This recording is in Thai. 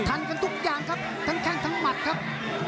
ทันกันทุกอย่างครับทั้งแข้งทั้งหมัดครับ